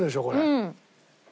うん！